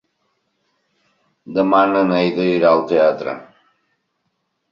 Demà na Neida irà al teatre.